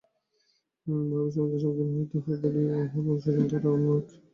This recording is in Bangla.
বহুবিধ সমস্যার সম্মুখীন হইতে হয় বলিয়া ইহার অনুশীলন-ধারাও অনেক।